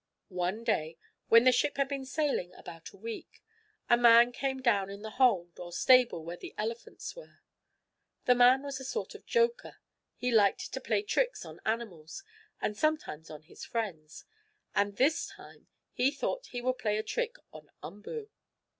One day, when the ship had been sailing about a week, a man came down in the hold, or stable where the elephants were. This man was a sort of joker. He liked to play tricks on animals and sometimes on his friends, and this time he thought he would play a trick on Umboo.